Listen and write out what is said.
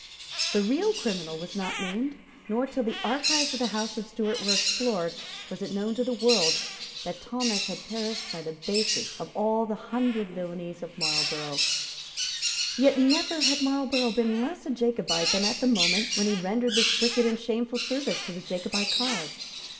The real criminal was not named; nor, till the archives of the House of Stuart were explored, was it known to the world that Talmash had perished by the basest of all the hundred villanies of Marlborough. Yet never had Marlborough been less a Jacobite than at the moment when he rendered this wicked and shameful service to the Jacobite cause.